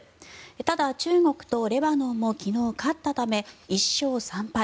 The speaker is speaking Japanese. ただ、中国とレバノンも昨日、勝ったため１勝３敗。